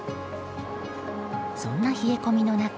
そんな冷え込みの中